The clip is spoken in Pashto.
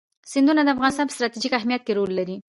سیندونه د افغانستان په ستراتیژیک اهمیت کې رول لري.